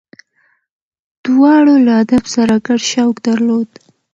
دواړو له ادب سره ګډ شوق درلود.